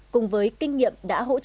cùng với kinh nghiệm đã hỗ trợ